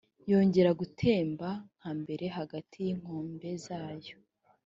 yongera gutemba nka mbere hagati y’inkombe zayo.